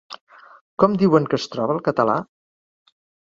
Com diuen que es troba el català?